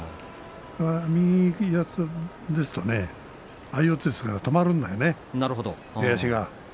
右をいなすのなら相四つですから止まるんだよね、出足が。